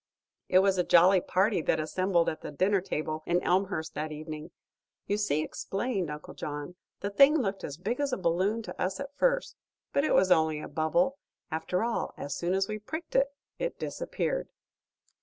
It was a jolly party that assembled at the dinner table in Elmhurst that evening. "You see," explained Uncle John, "the thing looked as big as a balloon to us at first; but it was only a bubble, after all, and as soon as we pricked it it disappeared."